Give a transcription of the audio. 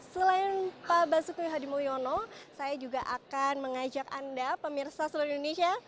selain pak basuki hadimulyono saya juga akan mengajak anda pemirsa seluruh indonesia